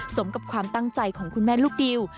สมกับความตั้งใจของคุณแม่ลูกดิว